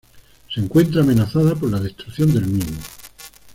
Se encuentra amenazada por la destrucción del mismo.